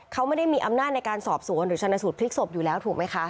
เขาไม่ได้มีอำนาจในการสอบสวนหรือชนะสูตรพลิกศพอยู่แล้วถูกไหมคะ